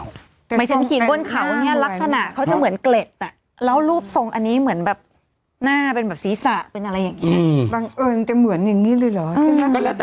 หมายถึงหินบนเขานี้ลักษณะเขาจะเหมือนเกล็ดแล้วรูปทรงอันนี้เหมือนแบบหน้าเป็นแบบศีรษะเป็นอะไรอย่างงี้